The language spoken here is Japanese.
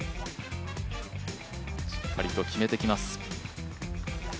しっかりと決めてきます。